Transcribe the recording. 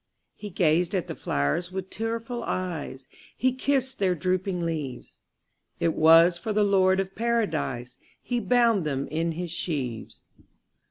'' He gazed at the flowers with tearful eyes, He kissed their drooping leaves; It was for the Lord of Paradise He bound them in his sheaves.